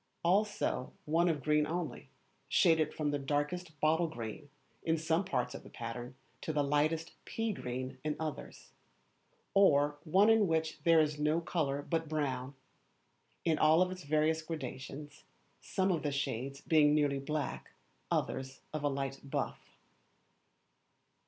Also one of green only, shaded from the darkest bottle green, in some parts of the pattern, to the lightest pea green in others. Or one in which there is no colour but brown, in all its various gradations, some of the shades being nearly black, others of a light buff.